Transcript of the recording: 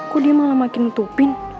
kok dia malah makin nutupin